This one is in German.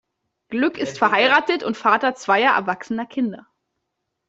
Glück ist verheiratet und Vater zweier erwachsener Kinder.